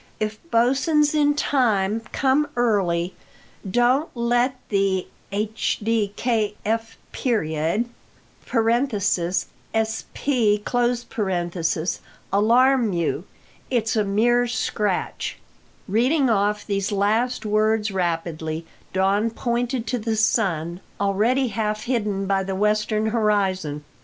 If Bosin's in time, come early. Don't let the hdkf.(sp) alarm you; it's a mere scratch.'" Reading off these last words rapidly, Don pointed to the sun, already half hidden by the western horizon.